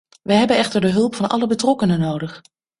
We hebben echter de hulp van alle betrokkenen nodig.